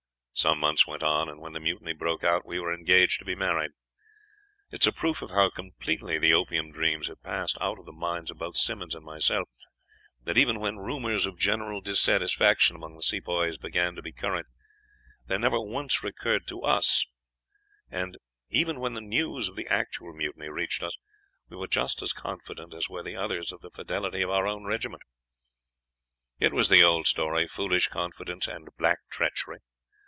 Some months went on, and when the mutiny broke out we were engaged to be married. It is a proof of how completely the opium dreams had passed out of the minds of both Simmonds and myself, that even when rumors of general disaffection among the Sepoys began to be current, they never once recurred to us; and even when the news of the actual mutiny reached us we were just as confident as were the others of the fidelity of our own regiment. It was the old story, foolish confidence and black treachery.